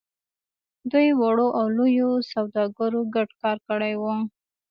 دوی وړو او لويو سوداګرو ګډ کار کړی و.